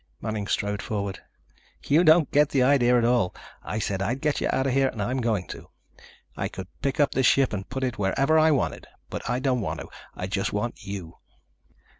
Manning strode forward. "You don't get the idea at all. I said I'd get you out of here and I'm going to. I could pick up this ship and put it wherever I wanted. But I don't want to. I just want you."